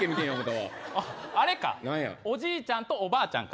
あれか、おじいちゃんとおばあちゃんか。